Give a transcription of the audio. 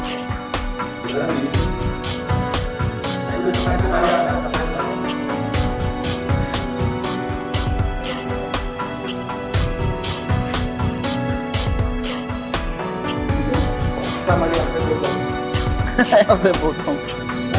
satu satu satu satu gimana